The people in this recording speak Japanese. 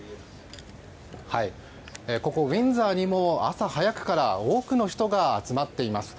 ウィンザーにも朝早くから多くの人が集まっています。